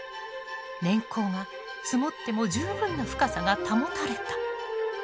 年縞が積もっても十分な深さが保たれた。